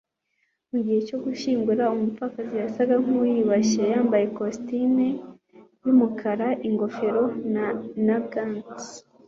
Mu gihe cyo gushyingura umupfakazi yasaga nkuwiyubashye yambaye ikositimu yumukara ingofero na gants